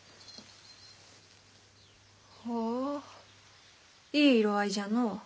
ほういい色合いじゃのう。